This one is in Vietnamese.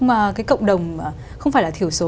mà cái cộng đồng không phải là thiểu số